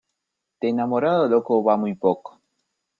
De enamorado a loco va muy poco.